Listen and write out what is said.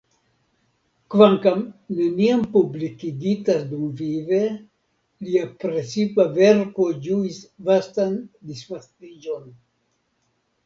Kvankam neniam publikigita dumvive, lia precipa verko ĝuis vastan disvastiĝon.